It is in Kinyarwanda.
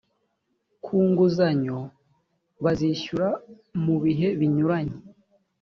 ku nguzanyo bazishyura mu bihe binyuranye